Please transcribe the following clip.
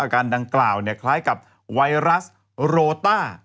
การดังกล่าวคล้ายกับไวรัสโรต้า